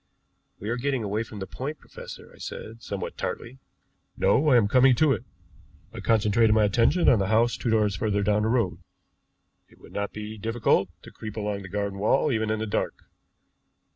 "We are getting away from the point, professor," I said, somewhat tartly. "No, I am coming to it. I concentrated my attention on the house two doors further down the road. It would not be difficult to creep along the garden wall even in the dark.